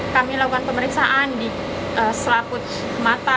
kami lakukan pemeriksaan di selaput mata